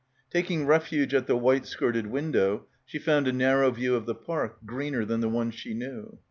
Taking refuge at the white skirted window, she found a narrow view of the park, greener than the one she knew.